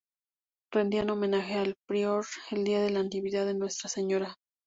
Rendían homenaje al prior el día de la Natividad de Nuestra Señora.